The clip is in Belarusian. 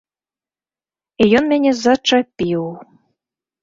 І ён мяне зачапіў.